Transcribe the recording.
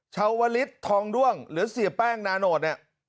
เชาวลิสทองด้วงหรือเสียแป้งนาโนด